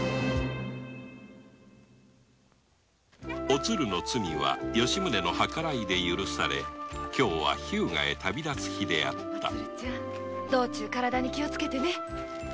おつるの罪は吉宗の計らいで許され今日は日向へ旅立つ日であったおつるちゃん道中体に気をつけてね。